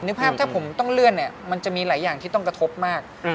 นึกภาพถ้าผมต้องเลื่อนเนี่ยมันจะมีหลายอย่างที่ต้องกระทบมาก